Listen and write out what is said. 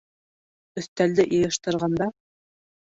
Өҫтәлде йыйыштырғанда: